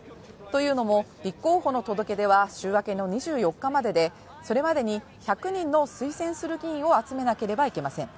というのも、立候補の届け出は週明けの２４日までで、それまでに１００人の推薦する議員を集めなければいけません。